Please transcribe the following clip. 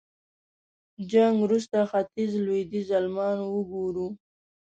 جنګ وروسته ختيځ لوېديځ المان وګورو.